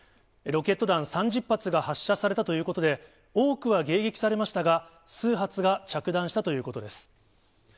ロケット弾３０発が発射されたということで、多くは迎撃されましたが、数発が着弾したということです。